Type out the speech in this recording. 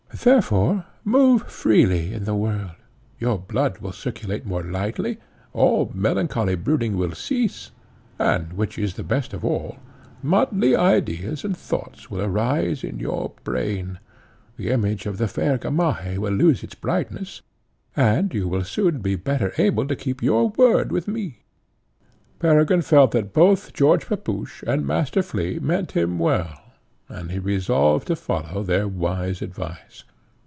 Therefore, move freely in the world; your blood will circulate more lightly, all melancholy brooding will cease, and, which is the best of all, motley ideas and thoughts will arise in your brain, the image of the fair Gamaheh will lose its brightness, and you will soon be better able to keep your word with me." Peregrine felt that both George Pepusch and Master Flea meant him well, and he resolved to follow their wise advice.